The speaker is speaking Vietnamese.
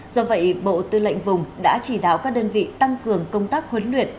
do vậy bộ tư lệnh vùng đã chỉ đạo các đơn vị tăng cường công tác huấn luyện